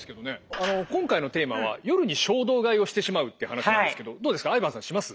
あの今回のテーマは「夜に衝動買いをしてしまう」って話なんですけどどうですかＩＶＡＮさんします？